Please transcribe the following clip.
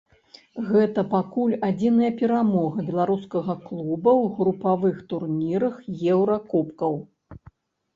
Гэта пакуль адзіная перамога беларускага клуба ў групавых турнірах еўракубкаў.